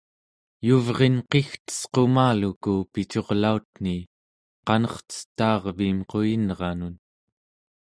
yuvrinqigtesqumaluku picurlautni qanercetaarviim quyinranun